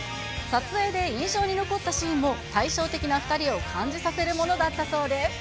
撮影で印象に残ったシーンも対照的な２人を感じさせるものだったそうで。